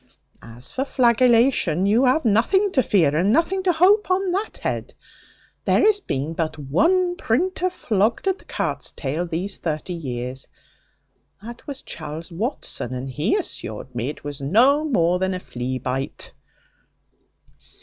As for flagellation, you have nothing to fear, and nothing to hope, on that head There has been but one printer flogged at the cart's tail these thirty years; that was Charles Watson; and he assured me it was no more than a flea bite.